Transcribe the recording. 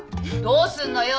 どうすんのよ？